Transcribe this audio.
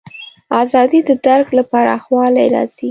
ازادي د درک له پراخوالي راځي.